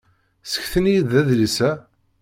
Seknet-iyi-d adlis-a!